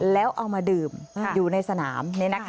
แล้วเอามาดื่มอยู่ในสนาม